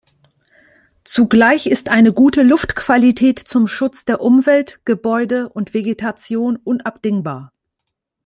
Zugleich ist eine gute Luftqualität zum Schutz der Umwelt, Gebäude und Vegetation unabdingbar.